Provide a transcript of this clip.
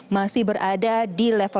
masih berada di level